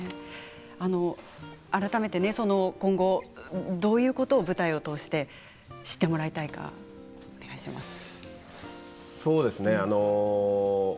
改めて今後どういうことを舞台を通して知ってもらいたいかお願いします。